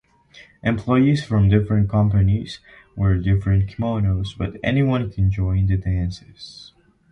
Employees from different companies wear different kimonos, but anyone can join the dances.